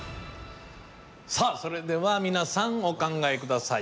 それでは皆さんお考え下さい。